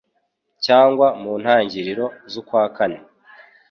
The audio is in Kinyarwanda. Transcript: cyangwa mu ntangiriro z'ukwa kane: